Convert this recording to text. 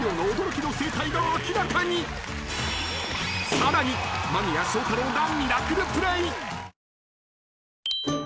［さらに間宮祥太朗が］